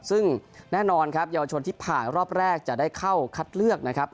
ซึ่งแน่นอนครับเยาวชนที่ผ่านรอบแรกจะได้เข้าคัดเลือกนะครับ